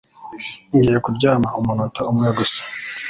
Ngiye kuryama umunota umwe gusa